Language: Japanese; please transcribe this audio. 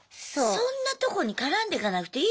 そんなとこに絡んでかなくていい？